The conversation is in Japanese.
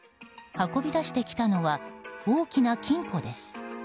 運び出してきたのは大きな金庫です。